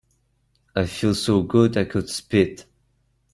I feel so good I could spit.